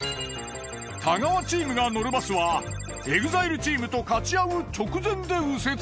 太川チームが乗るバスはＥＸＩＬＥチームとかち合う直前で右折。